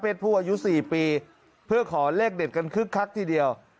ผู้อายุ๔ปีเพื่อขอเลขเด็ดกันคึกคักทีเดียว